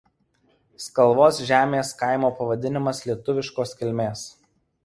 Skalvos žemės kaimo pavadinimas lietuviškos kilmės.